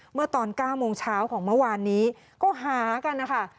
เมื่อตอน๙โมงเช้าของเมื่อวานนี้ก็หากันนะคะ